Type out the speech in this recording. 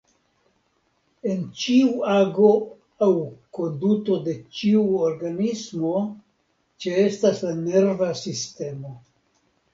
En ĉiu ago aŭ konduto de ĉiu organismo ĉeestas la nerva sistemo.